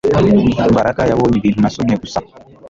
Mbaraga yabonye ibintu nasomye gusa